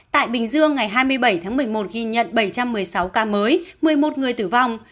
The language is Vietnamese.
tại bình dương ngày hai mươi bảy tháng một mươi một ghi nhận bảy trăm một mươi sáu ca mới một mươi một người tử vong